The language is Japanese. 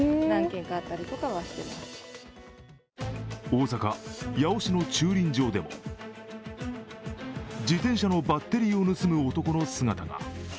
大阪・八尾市の駐輪場でも自転車のバッテリーを盗む男の姿が。